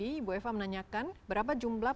ibu eva menanyakan berapa jumlah